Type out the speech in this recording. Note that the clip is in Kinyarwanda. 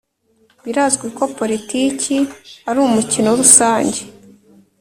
birazwi ko politiki ari umukino rusange .